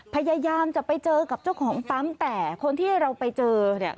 พยายามจะไปเจอกับเจ้าของปั๊มแต่คนที่เราไปเจอเนี่ย